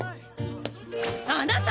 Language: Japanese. あなた！